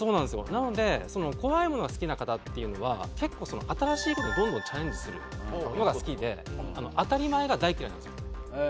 なので怖いものが好きな方っていうのは結構新しい事にどんどんチャレンジするのが好きで当たり前が大嫌いなんですよ。